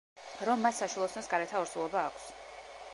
რომ მას საშვილოსნოს გარეთა ორსულობა აქვს.